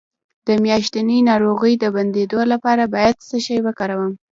د میاشتنۍ ناروغۍ د بندیدو لپاره باید څه شی وکاروم؟